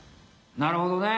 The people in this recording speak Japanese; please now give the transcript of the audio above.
なるほどね。